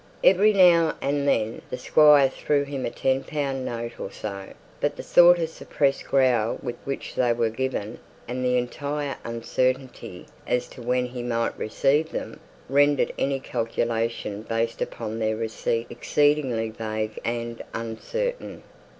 Every now and then the Squire threw him a ten pound note or so; but the sort of suppressed growl with which it was given, and the entire uncertainty as to when he might receive such gifts, rendered any calculation based upon their receipt exceedingly vague and uncertain.